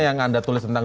yang anda tulis tentang